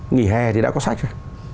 nghỉ hè thì đã có sách rồi